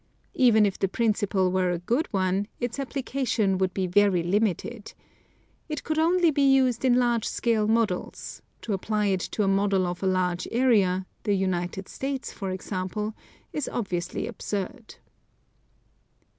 Even if the principle were a good one, its applica tion would be very limited. It could only be used in large scale models ; to apply it to a model of a large area — the United States, for example — is obviously absurd.